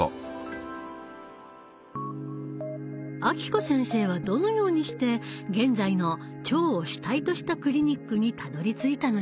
暁子先生はどのようにして現在の腸を主体としたクリニックにたどりついたのでしょう？